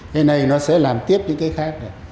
cái này nó sẽ làm tiếp những cái khác này